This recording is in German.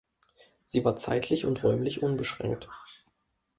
Sie war zeitlich und räumlich unbeschränkt.